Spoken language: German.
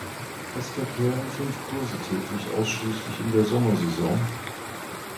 Es verkehren fünf Kurse täglich ausschliesslich in der Sommersaison.